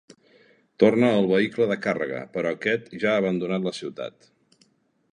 Torna al vehicle de càrrega, però aquest ja ha abandonat la ciutat.